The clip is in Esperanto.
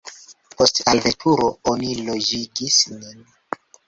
Post alveturo oni loĝigis nin.